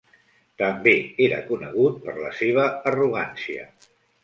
També era conegut per la seva arrogància.